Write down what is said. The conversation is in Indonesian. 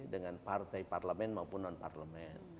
dengan partai parlemen maupun non parlemen